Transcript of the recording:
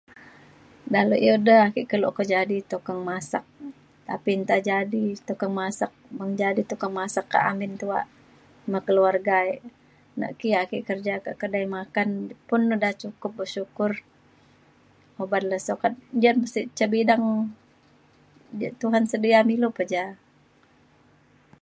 dalau iu’ de ake kelo jadi tukang masak tapi nta jadi tukang masak meng jadi tukang masak kak amin tuak me keluarga e. na ki ake kerja ka kedai makan pun uda cukup bersyukur uban le sukat jane sik ca bidang ja Tuhan sedia me ilu pa ja.